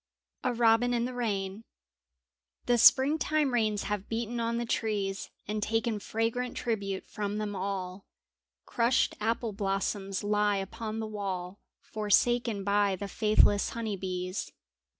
a IRobin in tbe IRain HE springtime rains have beaten on the trees And taken fragrant tribute from them all; Crushed apple blossoms lie upon the wall Forsaken by the faithless honey bees.